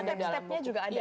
dan step stepnya juga ada ya